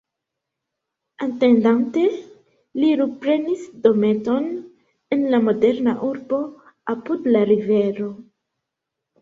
Atendante, li luprenis dometon en la moderna urbo, apud la rivero.